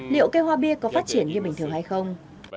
liệu cây hoa bia có phát triển như bình thường hay không